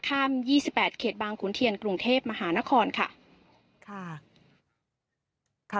ข้ามยี่สิบแปดเขตบางขุนเทียนกรุงเทพฯมหานครค่ะค่ะค่ะ